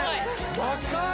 ・若い！